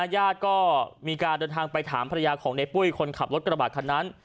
ญาติก็มีการเดินทางไปถามภรรยาของในปุ้ยคนขับรถกระบาดคันนั้น